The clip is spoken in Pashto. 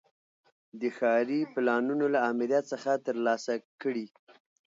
د ښاري پلانونو له آمریت څخه ترلاسه کړي.